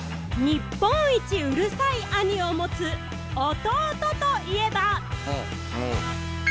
・日本一うるさい兄をもつ弟といえば？